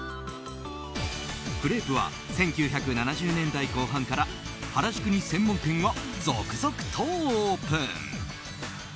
クレープは１９７０年代後半から原宿に専門店が続々とオープン。